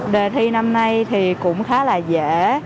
đề thi năm nay thì cũng khá là dễ